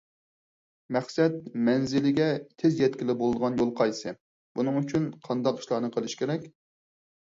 مەقسەت مەنزىلىگە تېز يەتكىلى بولىدىغان يول قايسى، بۇنىڭ ئۈچۈن قانداق ئىشلارنى قىلىش كېرەك؟